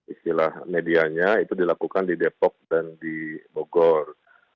istilah medianya itu dilakukan di depok dan di bogor